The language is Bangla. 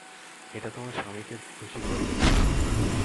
এটা তোমার স্বামীকে খুশি করবে।